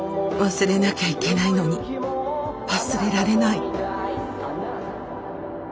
忘れなきゃいけないのに忘れられない。